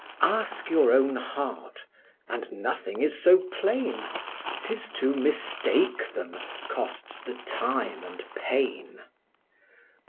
Ask your own heart, and nothing is so plain; 'Tis to mistake them, costs the time and pain.